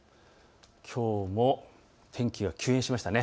きょうも天気が急変しましたね。